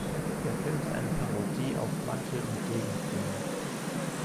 Der Film ist eine Parodie auf Mantel-und-Degen-Filme.